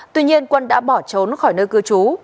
tuy nhiên quân đã bỏ trốn khỏi nơi cư trú